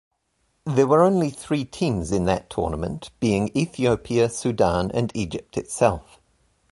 There were only three teams in that tournament, being Ethiopia, Sudan, and Egypt itself.